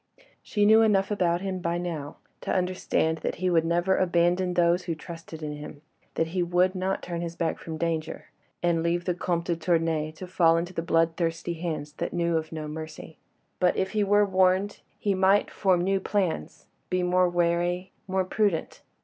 She knew enough about him by now to understand that he would never abandon those who trusted in him, that he would not turn back from danger, and leave the Comte de Tournay to fall into the bloodthirsty hands that knew of no mercy. But if he were warned, he might form new plans, be more wary, more prudent.